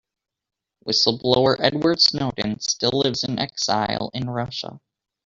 Whistle-blower Edward Snowden still lives in exile in Russia.